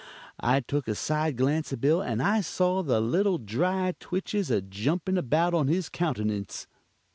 I took a side glance at Bill, and I saw the little dry twitches a jumpin' about on his countenance.